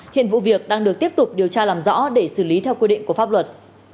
hiện vụ việc đang được tiếp tục điều tra làm rõ để xử lý theo quy định của pháp luật